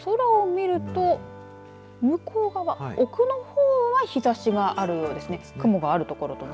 ただ空を見ると向こう側、奥の方は日ざしがあるようですね。